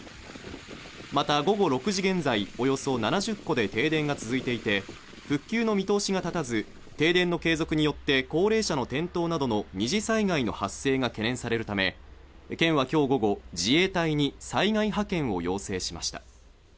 また、午後６時現在、およそ７０戸で停電が続いていて、復旧の見通しが立たず、停電の継続によって高齢者の転倒などの二次災害の発生が懸念されるため県は今日午後、自衛隊に災害派遣を要請しました。